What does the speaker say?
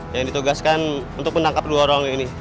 yang ditugaskan untuk menangkap dua orang ini